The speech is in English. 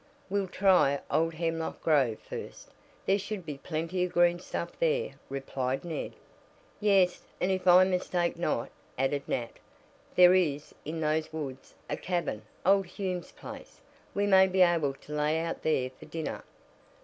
"We'll try old Hemlock Grove first. There should be plenty of green stuff there," replied Ned. "Yes, and if I mistake not," added Nat, "there is in those woods a cabin old Hume's place. We may be able to lay out there for dinner."